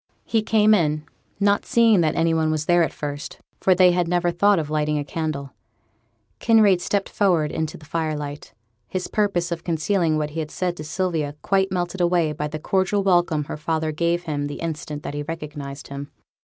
He came in, not seeing that any one was there at first; for they had never thought of lighting a candle. Kinraid stepped forward into the firelight; his purpose of concealing what he had said to Sylvia quite melted away by the cordial welcome her father gave him the instant that he recognized him.